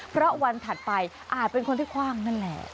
เพราะวันถัดไปอาจเป็นคนที่คว่างนั่นแหละ